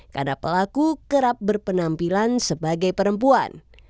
karena pelaku kerap berpenampilan sebagai perempuan